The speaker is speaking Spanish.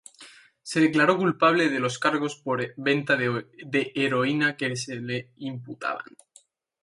Se declaró culpable de los cargos por venta de heroína que se le imputaban.